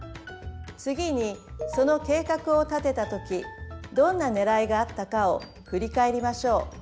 次にその計画を立てた時どんなねらいがあったかを振り返りましょう。